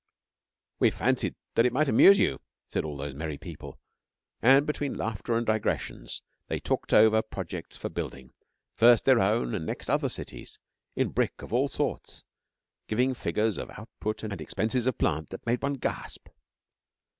'We fancied that it might amuse you,' said all those merry people, and between laughter and digressions they talked over projects for building, first their own, and next other cities, in brick of all sorts; giving figures of output and expenses of plant that made one gasp.